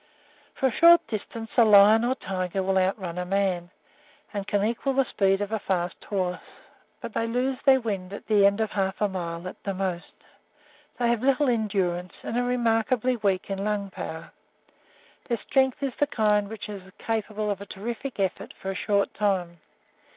For a short distance a lion or a tiger will outrun a man, and can equal the speed of a fast horse, but they lose their wind at the end of half a mile at the most. They have little endurance, and are remarkably weak in lung power. Their strength is the kind which is capable of a terrific effort for a short time.